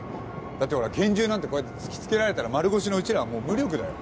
だってほら拳銃なんてこうやって突き付けられたら丸腰のうちらはもう無力だよ。